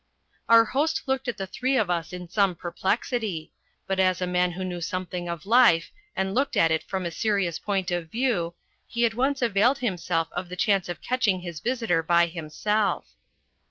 Our host looked at the three of us in some perplexity; but as a man who knew something of life, and looked at it from a serious point of view, he at once availed himself of the chance of catching his visitor by himself.